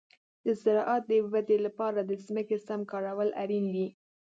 د زراعت د ودې لپاره د ځمکې سم کارول اړین دي.